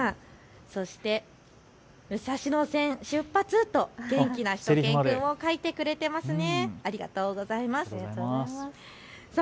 そして武蔵野線、出発！と元気なしゅと犬くんを描いてくれましたね。